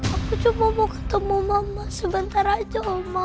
aku cuma mau ketemu mama sebentar aja oma